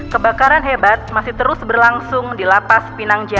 kebakaran hebat masih terus berlangsung di lapas pinang jaya